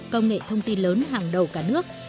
công nghệ thông tin lớn hàng đầu cả nước